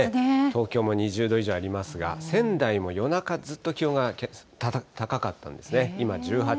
東京も２０度以上ありますが、仙台も夜中ずっと気温が高かったんですね。